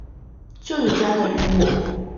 就有家人與我